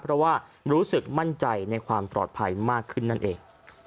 เพราะว่ารู้สึกมั่นใจในความปลอดภัยมากขึ้นนั่นเอง